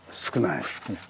少ない。